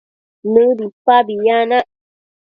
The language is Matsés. nëbipabi yanac